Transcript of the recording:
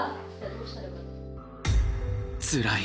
つらい。